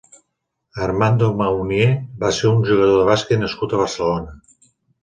Armando Maunier va ser un jugador de bàsquet nascut a Barcelona.